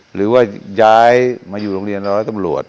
หรือว่าย้ายมาอยู่โรงเรียนร้อยตำรวจ